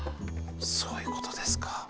そういうことですか。